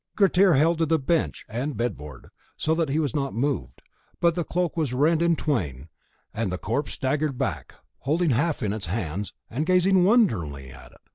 Grettir held to the bench and bed board, so that he was not moved, but the cloak was rent in twain, and the corpse staggered back, holding half in its hands, and gazing wonderingly at it.